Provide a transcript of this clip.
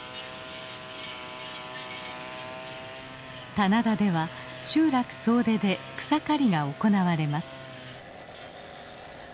棚田では集落総出で草刈りが行われます。